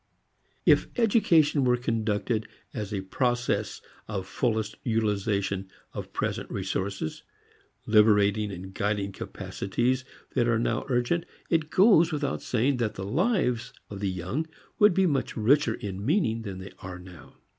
If education were conducted as a process of fullest utilization of present resources, liberating and guiding capacities that are now urgent, it goes without saying that the lives of the young would be much richer in meaning than they are now.